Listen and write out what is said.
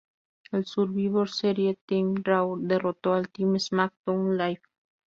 En Survivor Series, el Team Raw derrotó al Team SmackDown Live.